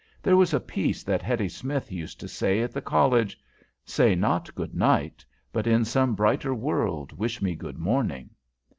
There was a piece that Hetty Smith used to say at the college, 'Say not good night, but in some brighter world wish me good morning.'"